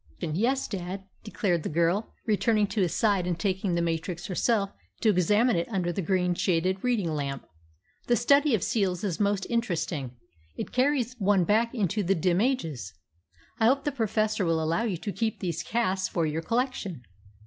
"Yes, dad," declared the girl, returning to his side and taking the matrix herself to examine it under the green shaded reading lamp. "The study of seals is most interesting. It carries one back into the dim ages. I hope the Professor will allow you to keep these casts for your collection."